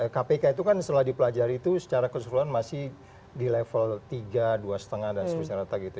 kpk itu kan setelah dipelajari itu secara keseluruhan masih di level tiga dua lima dan seterusnya rata gitu